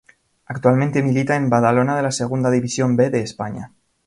Actualmente milita en Badalona de la Segunda División B de España.